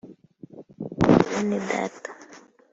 Mbese bene Data